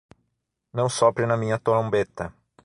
Não sopre na minha trombeta.